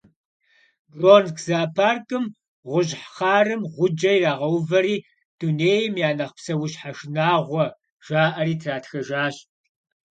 Бронкс зоопаркым гъущӏ хъарым гъуджэ ирагъэувэри «Дунейм я нэхъ псэущхьэ шынагъуэ» жаӏэри тратхэжащ.